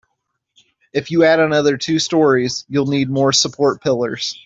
If you add another two storeys, you'll need more support pillars.